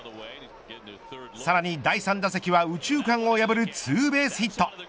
さらに第３打席は右中間を破るツーベースヒット。